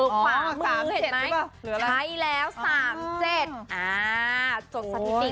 ความรู้เห็นไหมใช่แล้ว๓๗อ่าจด